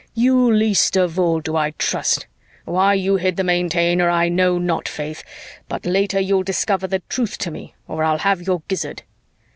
"You least of all do I trust. Why you hid the Maintainer, I know not, 'faith, but later you'll discover the truth to me or I'll have your gizzard."